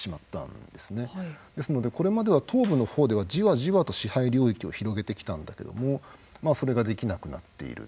ですのでこれまでは東部の方ではじわじわと支配領域を広げてきたんだけどもまあそれができなくなっている。